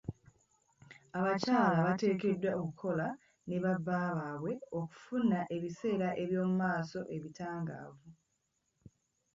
Abakyala bateekeddwa okukola ne ba bbaabwe okufuna ebiseere byomumaaso ebitangaavu.